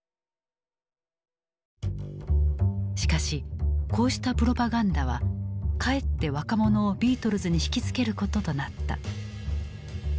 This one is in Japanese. しかしこうしたプロパガンダはかえって若者をビートルズに惹きつけることとなった。